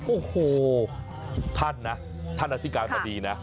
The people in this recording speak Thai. โอ้โหทุกท่านนะท่านอธิการบดีนะ